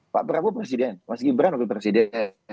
pak prabowo presiden mas gibran wakil presiden